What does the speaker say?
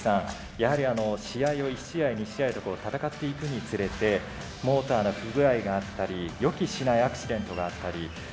やはり試合を１試合２試合と戦っていくにつれてモーターの不具合があったり予期しないアクシデントがあったり大変ですね。